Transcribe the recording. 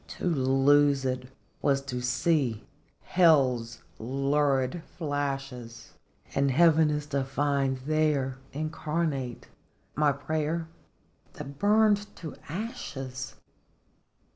To lose it was to see Hell's lurid flashes, And Heaven is to find there, incarnate, My prayer that burned to ashes